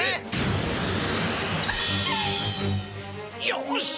よし！